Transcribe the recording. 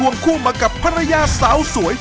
คู่มากับภรรยาสาวสวย